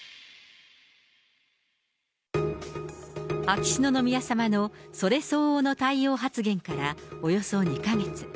秋篠宮さまの、それ相応の対応発言からおよそ２か月。